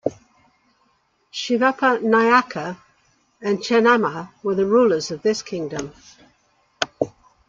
Shivappa Nayaka and Chennamma were the rulers of this kingdom.